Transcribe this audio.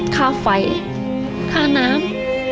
ค่าไฟค่าน้ำ